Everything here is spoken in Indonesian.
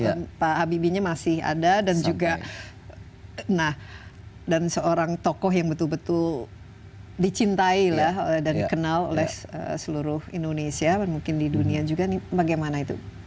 dan pak habibie nya masih ada dan juga nah dan seorang tokoh yang betul betul dicintai lah dan dikenal oleh seluruh indonesia dan mungkin di dunia juga bagaimana itu